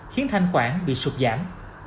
khiến thanh khoán bị sụp giảm